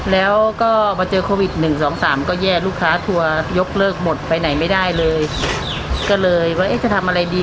แล้วก็มาเจอโควิด๑๒๓ก็แย่ลูกค้าทัวร์ยกเลิกหมดไปไหนไม่ได้เลยก็เลยว่าเอ๊ะจะทำอะไรดี